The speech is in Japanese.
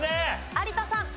有田さん。